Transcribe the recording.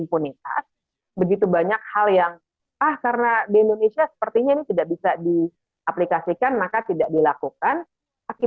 mengapresiasi tindakan tim ad hoc ini